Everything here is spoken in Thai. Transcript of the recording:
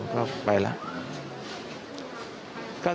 ก็ไปแล้ว